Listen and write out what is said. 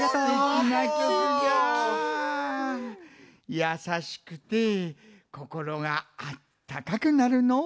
やさしくてこころがあったかくなるのう。